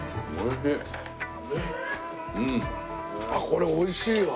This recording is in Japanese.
これおいしいわ。